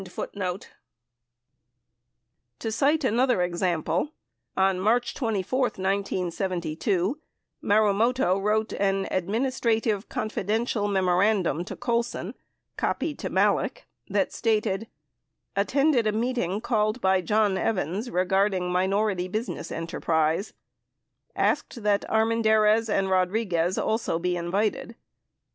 77 To cite another example, on March 24, 1972, Marumoto wrote an "Administrative — Confidential" memorandum to Colson (copy to Malek) that stated : Attended a meeting called by John Evans regarding minor ity business enterprise. Asked that Armendariz and Rodri guez also be invited.